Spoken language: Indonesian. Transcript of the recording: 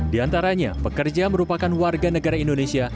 di antaranya pekerja merupakan warga negara indonesia